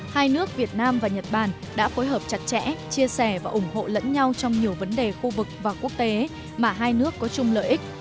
hai nước việt nam và nhật bản đã phối hợp chặt chẽ chia sẻ và ủng hộ lẫn nhau trong nhiều vấn đề khu vực và quốc tế mà hai nước có chung lợi ích